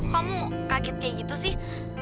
kamu kaget kayak gitu sih